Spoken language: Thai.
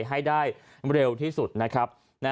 ให้ได้เร็วที่สุดนะครับ